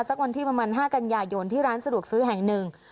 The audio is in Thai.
สักวันที่ประมาณ๕กันยายนที่ร้านสะดวกซื้อแห่งหนึ่ง